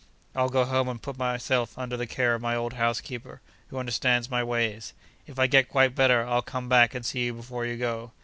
I'll go home and put myself under the care of my old housekeeper, who understands my ways. If I get quite better, I'll come back and see you before you go.